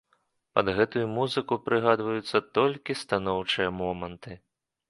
Пад гэтую музыку прыгадваюцца толькі станоўчыя моманты.